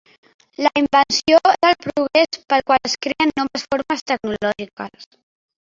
La "invenció" és el procés pel qual es creen noves formes tecnològiques.